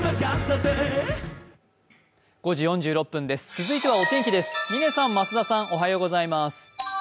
続いてはお天気です。